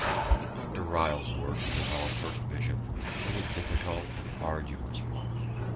Dr. Ryle's work as our first Bishop was a difficult and arduous one.